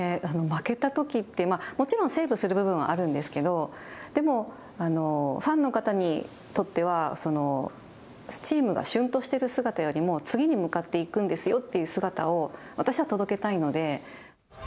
負けたときって、もちろんセーブする部分はあるんですけどでも、ファンの方にとってはチームがしゅんとしている姿よりも次に向かっていくんですよという姿を私は届けたいので。